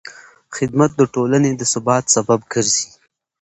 خدمت د ټولنې د ثبات سبب ګرځي.